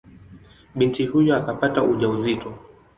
Binti huyo akapata ujauzito.